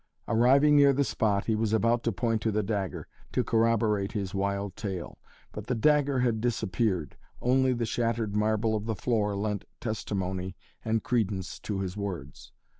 Arriving near the spot he was about to point to the dagger, to corroborate his wild tale. But the dagger had disappeared. Only the shattered marble of the floor lent testimony and credence to his words.